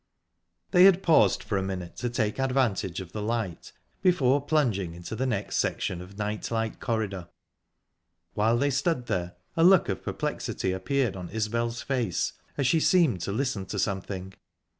They had paused for a minute to take advantage of the light, before plunging into the next section of night like corridor. While they stood there, a look of perplexity appeared on Isbel's face, as she seemed to listen to something.